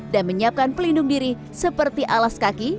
dan menyiapkan pelindung diri seperti alas kaki